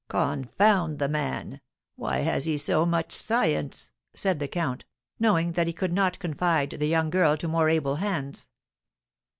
"Confound the man! Why has he so much science?" said the count, knowing that he could not confide the young girl to more able hands.